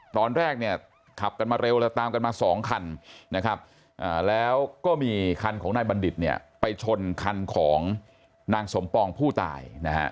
ตอนแรกเนี่ยขับกันมาเร็วแล้วตามกันมาสองคันนะครับแล้วก็มีคันของนายบัณฑิตเนี่ยไปชนคันของนางสมปองผู้ตายนะฮะ